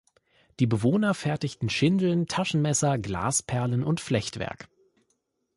Die Bewohner fertigten Schindeln, Taschenmesser, Glasperlen und Flechtwerk.